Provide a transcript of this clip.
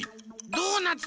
ドーナツ。